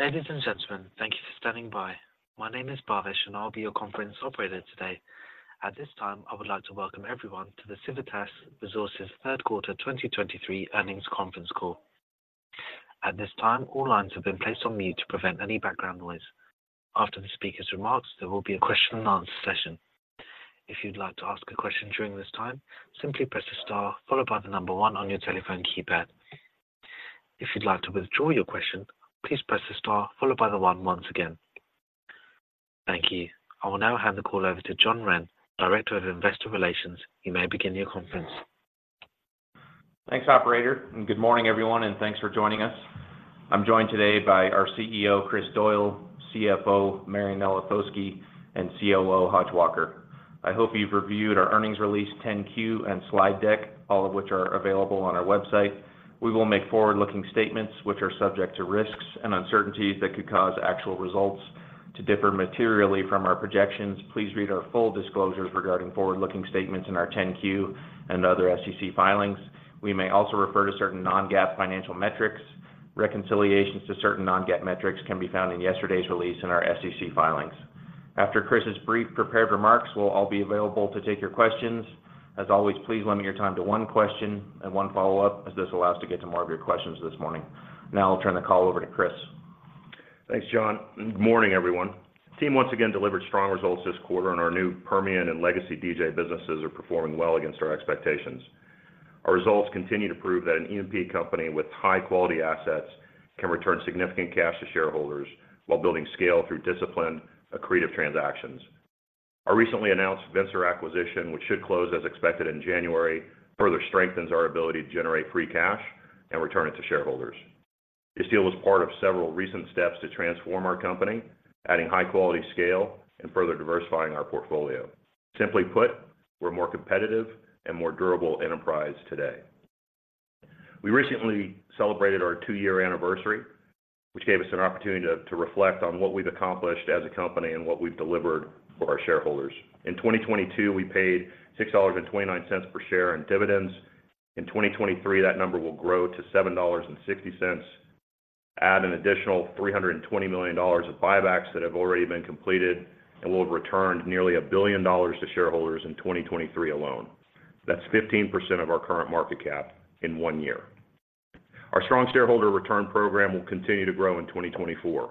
Ladies and gentlemen, thank you for standing by. My name is Bhavish, and I'll be your conference operator today. At this time, I would like to welcome everyone to the Civitas Resources Third Quarter 2023 Earnings Conference Call. At this time, all lines have been placed on mute to prevent any background noise. After the speaker's remarks, there will be a question and answer session. If you'd like to ask a question during this time, simply press the star followed by the number one on your telephone keypad. If you'd like to withdraw your question, please press the star followed by the one once again. Thank you. I will now hand the call over to John Wren, Director of Investor Relations. You may begin your conference. Thanks, operator, and good morning, everyone, and thanks for joining us. I'm joined today by our CEO, Chris Doyle, CFO, Marianella Foschi, and COO, Hodge Walker. I hope you've reviewed our earnings release 10-Q and slide deck, all of which are available on our website. We will make forward-looking statements which are subject to risks and uncertainties that could cause actual results to differ materially from our projections. Please read our full disclosures regarding forward-looking statements in our 10-Q and other SEC filings. We may also refer to certain non-GAAP financial metrics. Reconciliations to certain non-GAAP metrics can be found in yesterday's release in our SEC filings. After Chris's brief prepared remarks, we'll all be available to take your questions. As always, please limit your time to one question and one follow-up, as this allows to get to more of your questions this morning. Now I'll turn the call over to Chris. Thanks, John. Good morning, everyone. The team once again delivered strong results this quarter, and our new Permian and legacy DJ businesses are performing well against our expectations. Our results continue to prove that an E&P company with high-quality assets can return significant cash to shareholders while building scale through disciplined, accretive transactions. Our recently announced Vencer acquisition, which should close as expected in January, further strengthens our ability to generate free cash and return it to shareholders. This deal was part of several recent steps to transform our company, adding high quality scale and further diversifying our portfolio. Simply put, we're a more competitive and more durable enterprise today. We recently celebrated our two-year anniversary, which gave us an opportunity to reflect on what we've accomplished as a company and what we've delivered for our shareholders. In 2022, we paid $6.29 per share in dividends. In 2023, that number will grow to $7.60, add an additional $320 million of buybacks that have already been completed, and we'll have returned nearly $1 billion to shareholders in 2023 alone. That's 15% of our current market cap in one year. Our strong shareholder return program will continue to grow in 2024.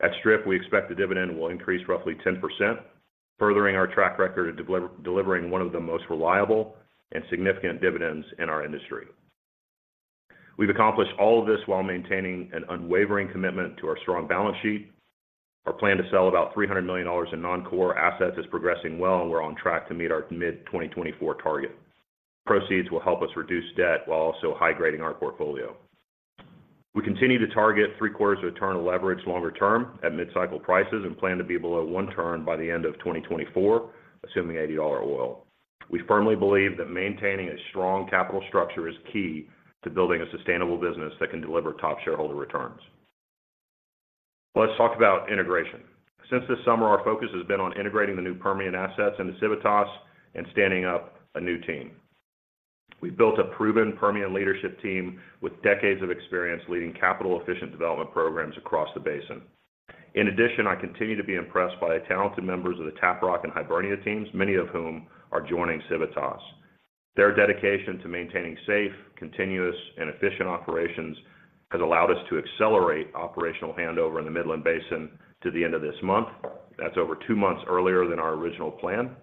At strip, we expect the dividend will increase roughly 10%, furthering our track record of delivering one of the most reliable and significant dividends in our industry. We've accomplished all of this while maintaining an unwavering commitment to our strong balance sheet. Our plan to sell about $300 million in non-core assets is progressing well, and we're on track to meet our mid-2024 target. Proceeds will help us reduce debt while also high grading our portfolio. We continue to target three quarters of a turn of leverage longer term at mid-cycle prices and plan to be below one turn by the end of 2024, assuming $80 oil. We firmly believe that maintaining a strong capital structure is key to building a sustainable business that can deliver top shareholder returns. Let's talk about integration. Since this summer, our focus has been on integrating the new Permian assets into Civitas and standing up a new team. We've built a proven Permian leadership team with decades of experience leading capital efficient development programs across the basin. In addition, I continue to be impressed by the talented members of the Tap Rock and Hibernia teams, many of whom are joining Civitas. Their dedication to maintaining safe, continuous, and efficient operations has allowed us to accelerate operational handover in the Midland Basin to the end of this month. That's over two months earlier than our original plan.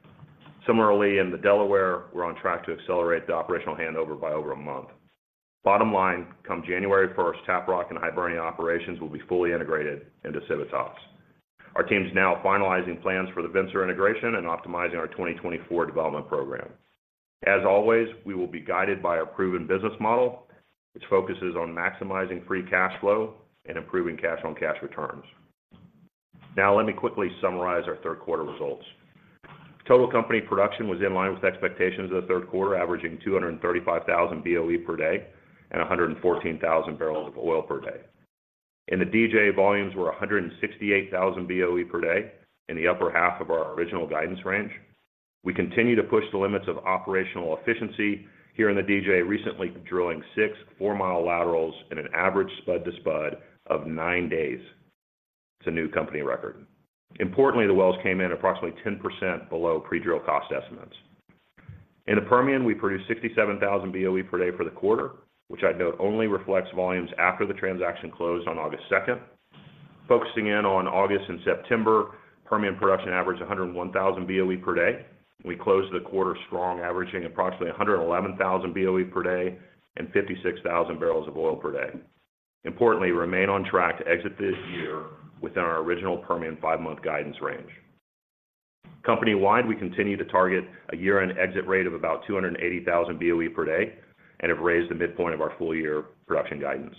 Similarly, in the Delaware Basin, we're on track to accelerate the operational handover by over a month. Bottom line, come January 1, Tap Rock and Hibernia operations will be fully integrated into Civitas. Our team is now finalizing plans for the Vencer integration and optimizing our 2024 development program. As always, we will be guided by our proven business model, which focuses on maximizing free cash flow and improving cash on cash returns. Now, let me quickly summarize our third quarter results. Total company production was in line with expectations of the third quarter, averaging 235,000 BOE per day and 114,000 barrels of oil per day. In the DJ, volumes were 168,000 BOE per day in the upper half of our original guidance range. We continue to push the limits of operational efficiency here in the DJ, recently drilling six four-mile laterals in an average spud to spud of nine days. It's a new company record. Importantly, the wells came in approximately 10% below pre-drill cost estimates. In the Permian, we produced 67,000 BOE per day for the quarter, which I note only reflects volumes after the transaction closed on August second. Focusing in on August and September, Permian production averaged 101,000 BOE per day. We closed the quarter strong, averaging approximately 111,000 BOE per day and 56,000 barrels of oil per day. Importantly, we remain on track to exit this year within our original Permian five-month guidance range. Company-wide, we continue to target a year-end exit rate of about 280,000 BOE per day and have raised the midpoint of our full year production guidance.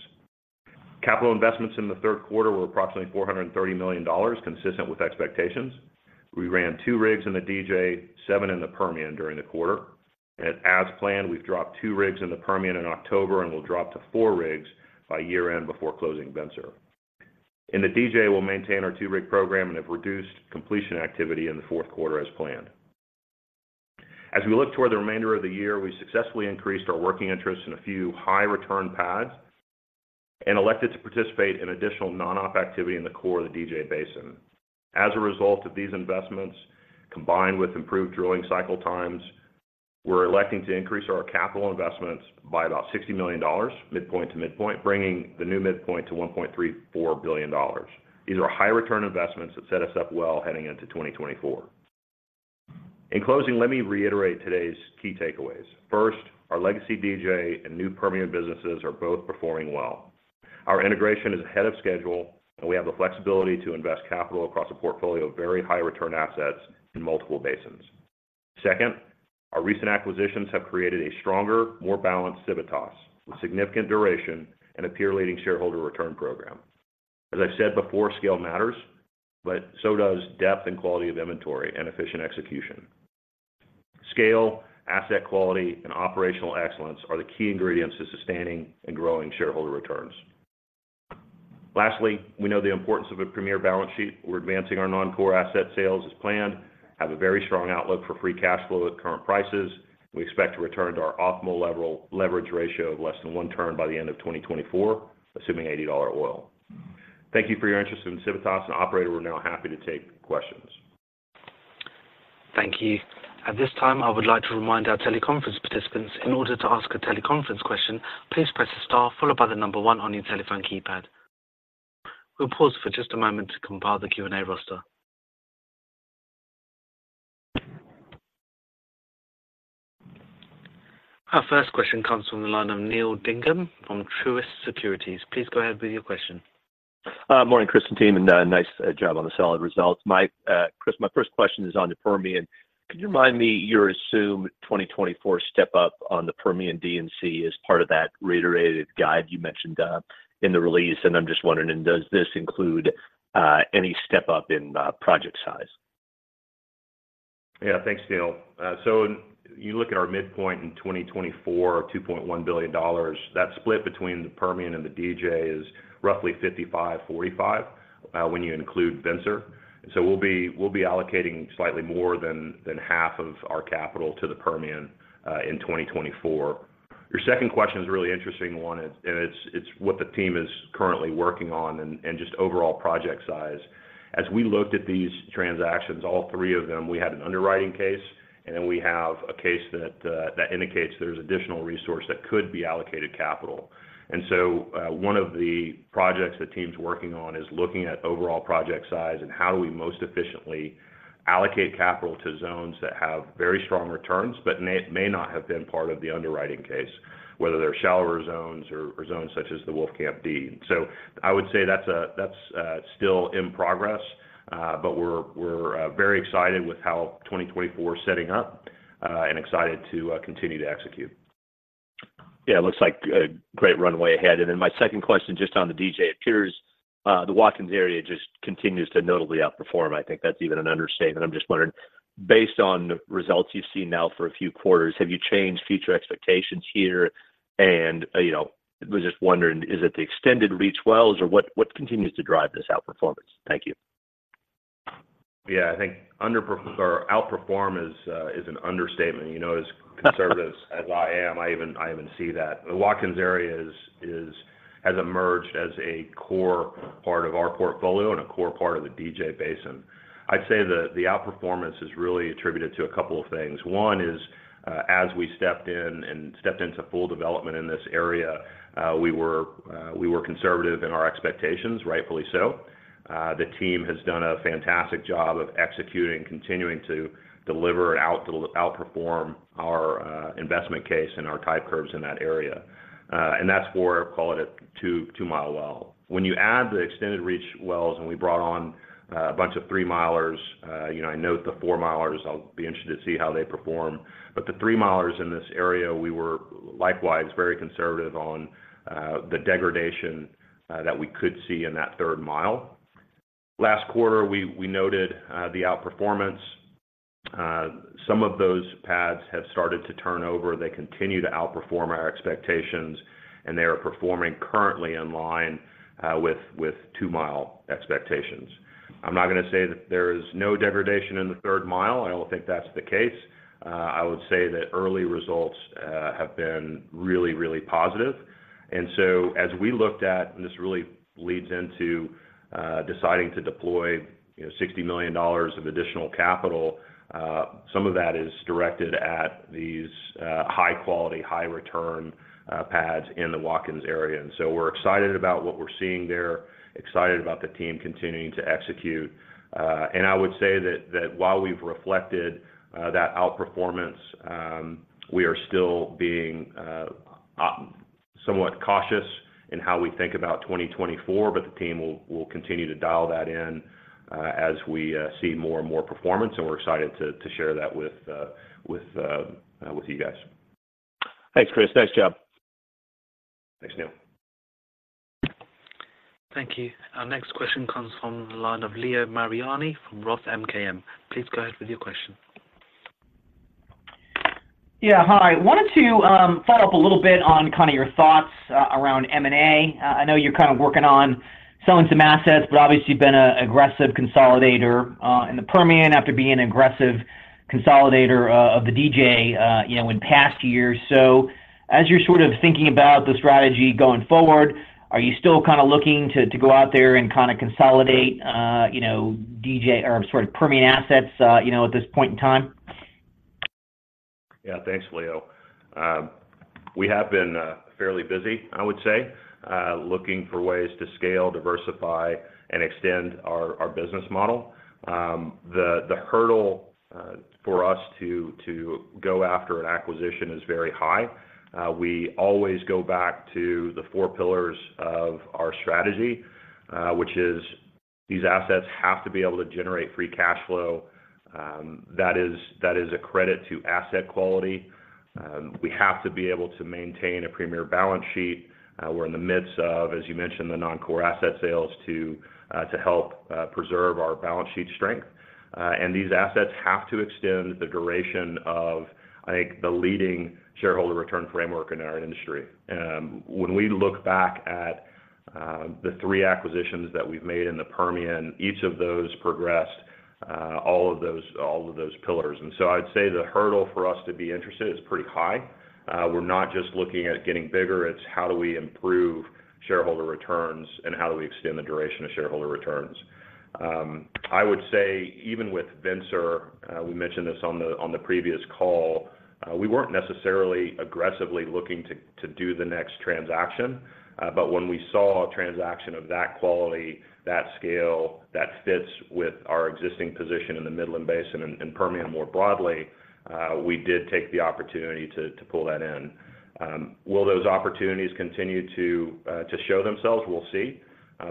Capital investments in the third quarter were approximately $430 million, consistent with expectations. We ran 2 rigs in the DJ, 7 in the Permian during the quarter, and as planned, we've dropped 2 rigs in the Permian in October and will drop to 4 rigs by year-end before closing Vencer. In the DJ, we'll maintain our two-rig program and have reduced completion activity in the fourth quarter as planned....As we look toward the remainder of the year, we successfully increased our working interest in a few high return pads, and elected to participate in additional non-op activity in the core of the DJ Basin. As a result of these investments, combined with improved drilling cycle times, we're electing to increase our capital investments by about $60 million, midpoint to midpoint, bringing the new midpoint to $1.34 billion. These are high return investments that set us up well heading into 2024. In closing, let me reiterate today's key takeaways. First, our legacy DJ and new Permian businesses are both performing well. Our integration is ahead of schedule, and we have the flexibility to invest capital across a portfolio of very high return assets in multiple basins. Second, our recent acquisitions have created a stronger, more balanced Civitas, with significant duration and a peer-leading shareholder return program. As I've said before, scale matters, but so does depth and quality of inventory and efficient execution. Scale, asset quality, and operational excellence are the key ingredients to sustaining and growing shareholder returns. Lastly, we know the importance of a premier balance sheet. We're advancing our non-core asset sales as planned, have a very strong outlook for free cash flow at current prices, and we expect to return to our optimal level, leverage ratio of less than one turn by the end of 2024, assuming $80 oil. Thank you for your interest in Civitas, and, operator, we're now happy to take questions. Thank you. At this time, I would like to remind our teleconference participants, in order to ask a teleconference question, please press star followed by the number one on your telephone keypad. We'll pause for just a moment to compile the Q&A roster. Our first question comes from the line of Neal Dingmann from Truist Securities. Please go ahead with your question. Morning, Chris and team, and nice job on the solid results. My, Chris, my first question is on the Permian. Could you remind me your assumed 2024 step up on the Permian D&C as part of that reiterated guide you mentioned in the release? And I'm just wondering, does this include any step up in project size? Yeah, thanks, Neil. So when you look at our midpoint in 2024, $2.1 billion, that split between the Permian and the DJ is roughly 55-45 when you include Vencer. So we'll be allocating slightly more than half of our capital to the Permian in 2024. Your second question is a really interesting one, and it's what the team is currently working on and just overall project size. As we looked at these transactions, all three of them, we had an underwriting case, and then we have a case that indicates there's additional resource that could be allocated capital. One of the projects the team's working on is looking at overall project size and how do we most efficiently allocate capital to zones that have very strong returns, but may not have been part of the underwriting case, whether they're shallower zones or zones such as the Wolfcamp D. I would say that's still in progress, but we're very excited with how 2024 is setting up, and excited to continue to execute. Yeah, it looks like a great runway ahead. And then my second question, just on the DJ, it appears, the Watkins area just continues to notably outperform. I think that's even an understatement. I'm just wondering, based on the results you've seen now for a few quarters, have you changed future expectations here? And, you know, I was just wondering, is it the extended reach wells, or what, what continues to drive this outperformance? Thank you. Yeah, I think underperform or outperform is an understatement. You know, as conservative as I am, I even, I even see that. The Watkins area has emerged as a core part of our portfolio and a core part of the DJ Basin. I'd say that the outperformance is really attributed to a couple of things. One is, as we stepped in and stepped into full development in this area, we were conservative in our expectations, rightfully so. The team has done a fantastic job of executing, continuing to deliver and outperform our investment case and our type curves in that area. And that's for, call it a 2-mile well. When you add the extended reach wells, and we brought on a bunch of 3-milers, you know, I note the 4-milers, I'll be interested to see how they perform. But the 3-milers in this area, we were likewise very conservative on the degradation that we could see in that third mile. Last quarter, we noted the outperformance. Some of those pads have started to turn over. They continue to outperform our expectations, and they are performing currently in line with two-mile expectations. I'm not gonna say that there is no degradation in the third mile. I don't think that's the case. I would say that early results have been really, really positive. And so as we looked at, and this really leads into deciding to deploy, you know, $60 million of additional capital, some of that is directed at these high-quality, high-return pads in the Watkins area. And so we're excited about what we're seeing there, excited about the team continuing to execute. And I would say that, that while we've reflected that outperformance, we are still being somewhat cautious in how we think about 2024, but the team will, will continue to dial that in, as we see more and more performance, and we're excited to, to share that with, with, with you guys. Thanks, Chris. Nice job. Thanks, Neil. Thank you. Our next question comes from the line of Leo Mariani from Roth MKM. Please go ahead with your question. ... Yeah, hi. Wanted to follow up a little bit on kind of your thoughts around M&A. I know you're kind of working on selling some assets, but obviously you've been an aggressive consolidator in the Permian after being an aggressive consolidator of the DJ, you know, in past years. So as you're sort of thinking about the strategy going forward, are you still kind of looking to go out there and kind of consolidate, you know, DJ or sorry, Permian assets, you know, at this point in time? Yeah, thanks, Leo. We have been fairly busy, I would say, looking for ways to scale, diversify, and extend our business model. The hurdle for us to go after an acquisition is very high. We always go back to the four pillars of our strategy, which is these assets have to be able to generate free cash flow. That is a credit to asset quality. We have to be able to maintain a premier balance sheet. We're in the midst of, as you mentioned, the non-core asset sales to help preserve our balance sheet strength. And these assets have to extend the duration of, I think, the leading shareholder return framework in our industry. When we look back at the three acquisitions that we've made in the Permian, each of those progressed all of those pillars. So I'd say the hurdle for us to be interested is pretty high. We're not just looking at getting bigger, it's how do we improve shareholder returns and how do we extend the duration of shareholder returns? I would say even with Vencer, we mentioned this on the previous call, we weren't necessarily aggressively looking to do the next transaction. But when we saw a transaction of that quality, that scale, that fits with our existing position in the Midland Basin and Permian more broadly, we did take the opportunity to pull that in. Will those opportunities continue to show themselves? We'll see.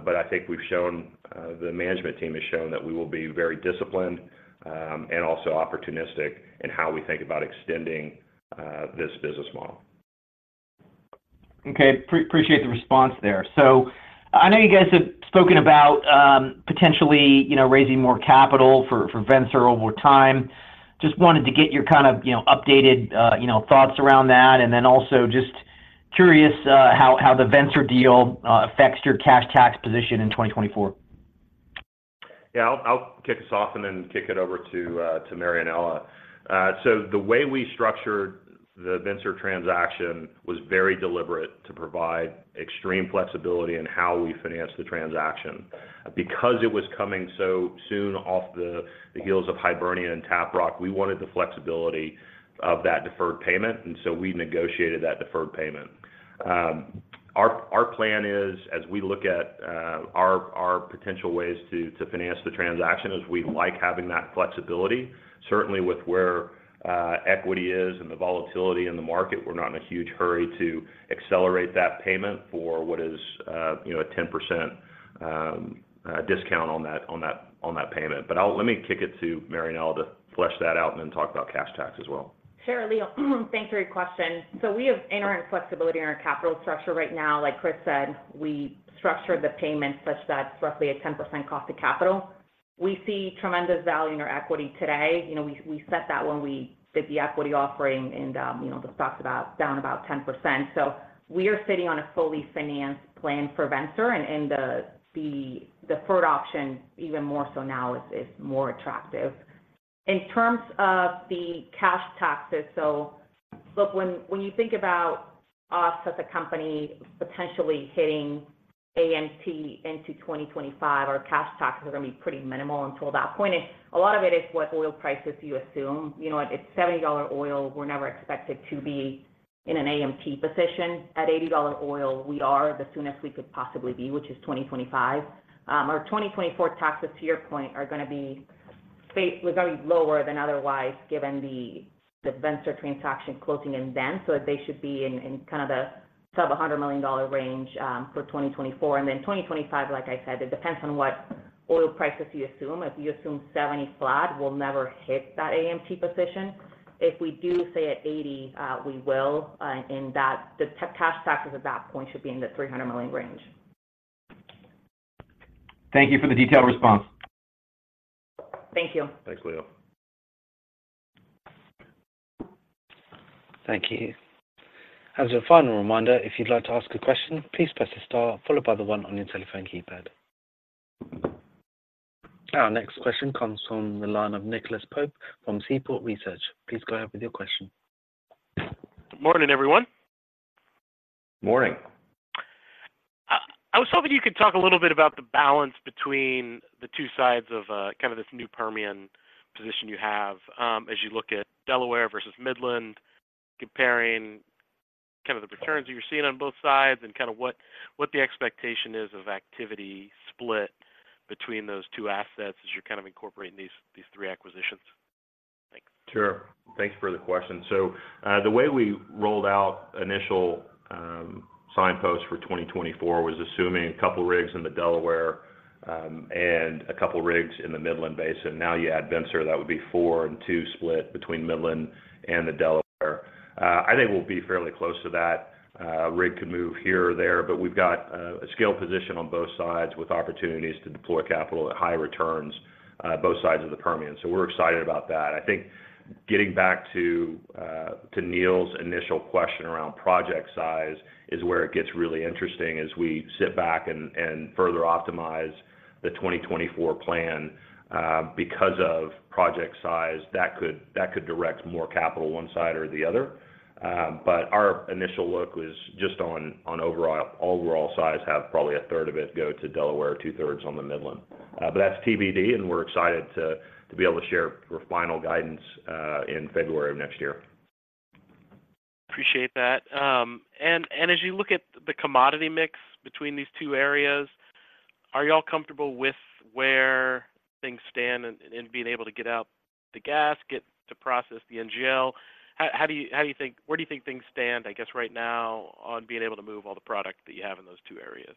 But I think we've shown, the management team has shown that we will be very disciplined, and also opportunistic in how we think about extending, this business model. Okay. Appreciate the response there. So I know you guys have spoken about, potentially, you know, raising more capital for Vencer over time. Just wanted to get your kind of, you know, updated thoughts around that. And then also just curious, how the Vencer deal affects your cash tax position in 2024. Yeah, I'll kick us off and then kick it over to Marianella. So the way we structured the Vencer transaction was very deliberate to provide extreme flexibility in how we finance the transaction. Because it was coming so soon off the heels of Hibernia and Tap Rock, we wanted the flexibility of that deferred payment, and so we negotiated that deferred payment. Our plan is, as we look at our potential ways to finance the transaction, is we like having that flexibility. Certainly with where equity is and the volatility in the market, we're not in a huge hurry to accelerate that payment for what is, you know, a 10% discount on that payment. But let me kick it to Marianella to flesh that out and then talk about cash tax as well. Sure, Leo, thanks for your question. So we have inherent flexibility in our capital structure right now. Like Chris said, we structured the payment such that it's roughly a 10% cost of capital. We see tremendous value in our equity today. You know, we set that when we did the equity offering, and, you know, the stock's about down about 10%. So we are sitting on a fully financed plan for Vencer, and the deferred option, even more so now, is more attractive. In terms of the cash taxes, so look, when you think about us as a company potentially hitting AMT into 2025, our cash taxes are going to be pretty minimal until that point. A lot of it is what oil prices you assume. You know what? At $70 oil, we're never expected to be in an AMT position. At $80 oil, we are the soonest we could possibly be, which is 2025. Our 2024 taxes, to your point, are gonna be lower than otherwise, given the Vencer transaction closing in then. So they should be in kind of the sub-$100 million range for 2024. And then 2025, like I said, it depends on what oil prices you assume. If you assume $70 flat, we'll never hit that AMT position. If we do stay at $80, we will, and the cash taxes at that point should be in the $300 million range. Thank you for the detailed response. Thank you. Thanks, Leo. Thank you. As a final reminder, if you'd like to ask a question, please press star followed by the one on your telephone keypad. Our next question comes from the line of Nicholas Pope from Seaport Research. Please go ahead with your question. Good morning, everyone. Morning. I was hoping you could talk a little bit about the balance between the two sides of this new Permian position you have, as you look at Delaware versus Midland, comparing the returns you're seeing on both sides and what the expectation is of activity split between those two assets as you're incorporating these three acquisitions. Thanks. Sure. Thanks for the question. So, the way we rolled out initial, signposts for 2024 was assuming a couple rigs in the Delaware, and a couple rigs in the Midland Basin. Now, you add Vencer, that would be 4 and 2 split between Midland and the Delaware. I think we'll be fairly close to that. Rig could move here or there, but we've got, a scale position on both sides with opportunities to deploy capital at high returns, both sides of the Permian. So we're excited about that. I think getting back to, to Neil's initial question around project size is where it gets really interesting as we sit back and further optimize the 2024 plan. Because of project size, that could, that could direct more capital one side or the other. But our initial look was just on overall size, have probably a third of it go to Delaware, two-thirds on the Midland. But that's TBD, and we're excited to be able to share our final guidance in February of next year. Appreciate that. And as you look at the commodity mix between these two areas, are you all comfortable with where things stand in being able to get out the gas, get to process the NGL? How do you think? Where do you think things stand, I guess, right now, on being able to move all the product that you have in those two areas?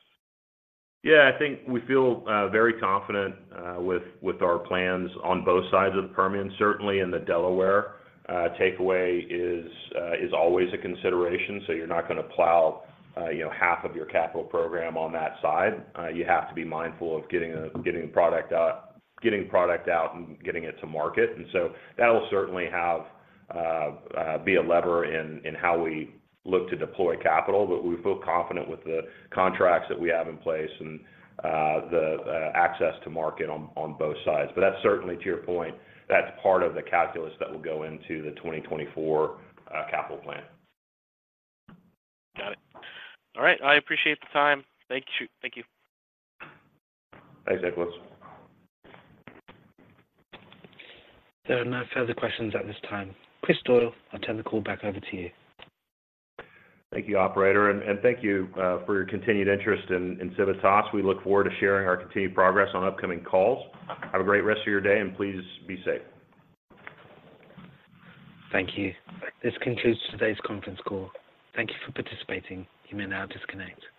Yeah, I think we feel very confident with our plans on both sides of the Permian. Certainly in the Delaware, takeaway is always a consideration, so you're not gonna plow, you know, half of your capital program on that side. You have to be mindful of getting product out and getting it to market. And so that will certainly have be a lever in how we look to deploy capital. But we feel confident with the contracts that we have in place and the access to market on both sides. But that's certainly, to your point, that's part of the calculus that will go into the 2024 capital plan. Got it. All right. I appreciate the time. Thank you. Thank you. Thanks, Nicholas. There are no further questions at this time. Chris Doyle, I'll turn the call back over to you. Thank you, operator. Thank you for your continued interest in Civitas. We look forward to sharing our continued progress on upcoming calls. Have a great rest of your day, and please be safe. Thank you. This concludes today's conference call. Thank you for participating. You may now disconnect.